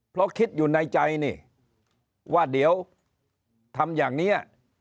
เพราะคิดอยู่ในใจนี่ว่าเดี๋ยวทำอย่างนี้